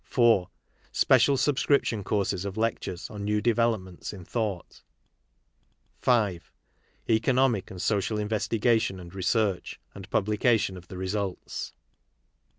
■;',■*'' 'r ■ (iv.) Special subscription courses of lectures on iiew developments m thought ;.' (v.) Economic and social investigation and research, and publication of the results.